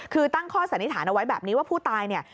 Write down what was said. คือตั้งข้อสันนิษฐานเอาไว้แบบนี้ว่าผู้ตายเนี่ย